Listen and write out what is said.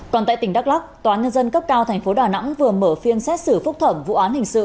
còn tại tỉnh đắk lắc tòa nhân dân cấp cao tp đà nẵng vừa mở phiên xét xử phúc thẩm vụ án hình sự